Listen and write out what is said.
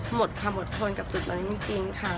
หมดค่ะหมดทนกับจุดตอนนี้จริงค่ะ